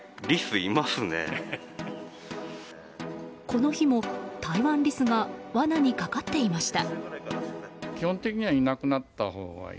この日もタイワンリスが罠にかかっていました。